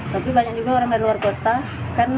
tapi banyak juga orang dari luar kota